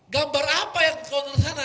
gambar apa yang konon sana